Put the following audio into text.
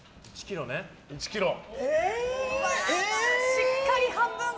しっかり半分。